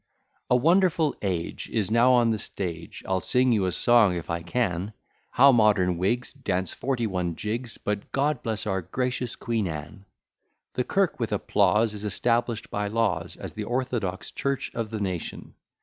A WONDERFUL age Is now on the stage: I'll sing you a song, if I can, How modern Whigs, Dance forty one jigs, But God bless our gracious Queen Anne. The kirk with applause Is established by laws As the orthodox church of the nation.